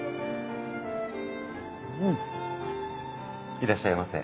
いらっしゃいませ。